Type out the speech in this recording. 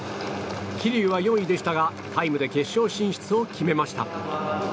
桐生は４位でしたがタイムで決勝進出を決めました。